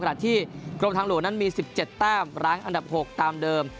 กระดาษที่กรมทางหลวงนั้นมีสิบเจ็ดแต้มร้านอันดับหกตามเดิม